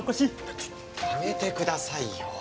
ちょっやめてくださいよ。